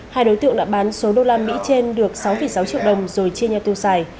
hai đối tượng đã bán số đô la mỹ trên được sáu sáu triệu đồng rồi chia nhau tiêu xài